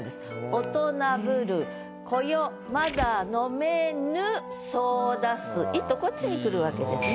「大人ぶる子よまだ飲めぬソーダ水」とこっちに来るわけですね。